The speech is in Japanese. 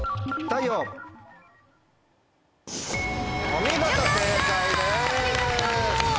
お見事正解です。